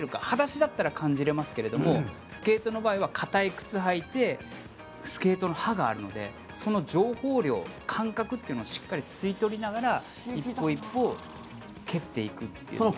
裸足だったら感じられますけどスケートの場合は固い靴を履いてスケートの刃があるのでその情報量、感覚というのをしっかり吸い取りながら１歩１歩蹴っていくという。